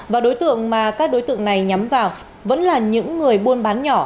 và đối tượng mà các đối tượng này nhắm vào vẫn là những người buôn bán nhỏ